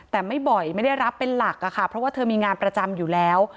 แต่ไม่บ่อยไม่ได้รับเป็นหลักค่ะเพราะว่าเธอมีงานประจำอยู่แล้ว